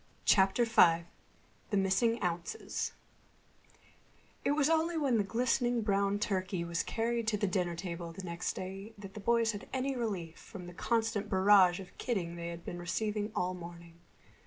CHAPTER V THE MISSING OUNCES It was only when the glistening brown turkey was carried to the dinner table the next day that the boys had any relief from the constant barrage of kidding they had been receiving all morning.